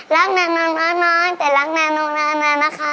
รักนานนอนนอนนอนแต่รักนานนอนนานนอนนะคะ